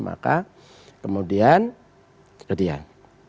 maka kemudian kemudian